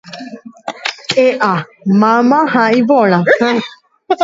E'a mama ha iporã